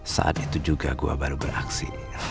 saat itu juga gua baru beraksi